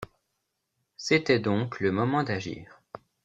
C’était donc le moment d’agir.